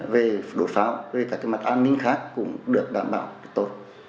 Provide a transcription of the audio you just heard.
về đột pháo về các mặt an ninh khác cũng được đảm bảo tốt